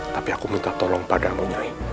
tapi aku minta tolong padamu nyai